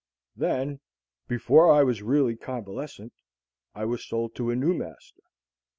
Then, before I was really convalescent, I was sold to a new master.